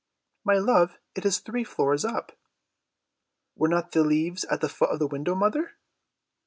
"My love, it is three floors up." "Were not the leaves at the foot of the window, mother?"